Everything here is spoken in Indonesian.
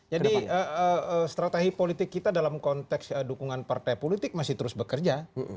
jadi strategi politik kita dalam konteks dukungan partai politik masih terus bekerja